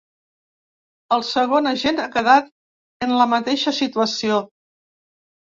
El segon agent ha quedat en la mateixa situació.